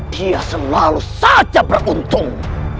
dia selalu saja beruntung